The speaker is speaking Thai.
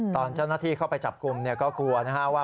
ตอนเจ้าหน้าที่เข้าไปจับกลุ่มก็กลัวนะฮะว่า